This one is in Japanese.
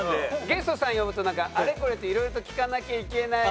ゲストさん呼ぶとなんかあれこれといろいろと聞かなきゃいけない。